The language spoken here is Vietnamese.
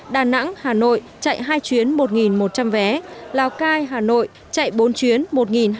đà nẵng hà nội chạy hai chuyến một một trăm linh vé lào cai hà nội chạy bốn chuyến một hai trăm linh vé